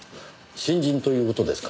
新人という事ですか。